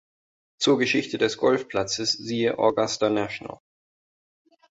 Zur Geschichte des Golfplatzes siehe Augusta National.